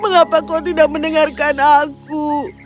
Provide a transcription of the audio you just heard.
mengapa kau tidak mendengarkan aku